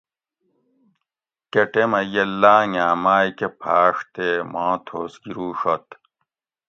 کی ٹیمہ یہ لانگاۤں مائ کہ پھاڛ تے ماں تھوس گیروڛت